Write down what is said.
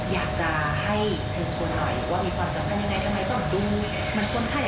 อยากจะให้เชิญชวนหน่อย